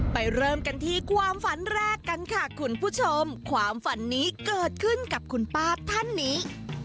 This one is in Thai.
เริ่มกันที่ความฝันแรกกันค่ะคุณผู้ชมความฝันนี้เกิดขึ้นกับคุณป้าท่านนี้